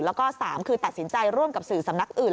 แล้วก็๓คือตัดสินใจร่วมกับสื่อสำนักอื่น